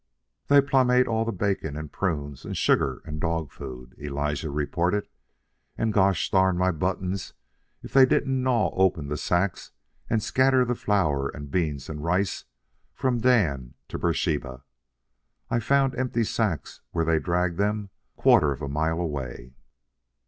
"They plumb e't all the bacon and prunes and sugar and dog food," Elijah reported, "and gosh darn my buttons, if they didn't gnaw open the sacks and scatter the flour and beans and rice from Dan to Beersheba. I found empty sacks where they'd dragged them a quarter of a mile away."